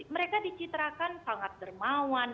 mereka dicitrakan sangat dermawan